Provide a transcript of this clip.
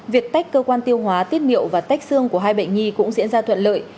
việc tách cơ quan tiêu hóa tiết niệu và tách xương của hai bệnh nhi cũng diễn ra thuận lợi